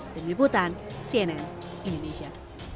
dengan liputan cnn indonesia